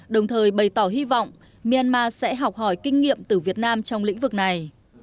đồng thời bày tỏ hy vọng myanmar sẽ học hỏi kinh nghiệm từ việt nam trong lĩnh vực này